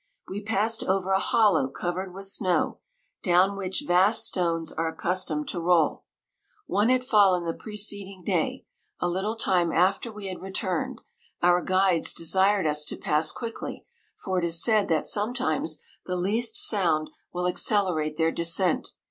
We passed over a hol low covered with snow, down which vast stones are accustomed to roll. One 165 had fallen the preceding day, a little time after we had returned : our guides desired us to pass quickly, for it is said that sometimes the least sound will accelerate their descent.